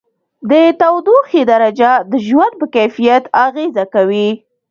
د تودوخې درجه د ژوند په کیفیت اغېزه کوي.